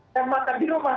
dan makan di rumah